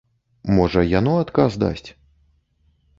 Можа, яно адказ дасць.